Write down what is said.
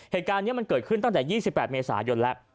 เหตุการณ์นี้มันเกิดขึ้นตั้งแต่๒๘เมษายนแล้ว